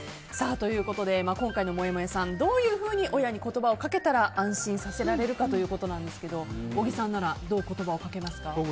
ということで今回のもやもやさんどういうふうに親に言葉をかけたら安心させられるかということなんですが小木さんならどう言葉をかけますか。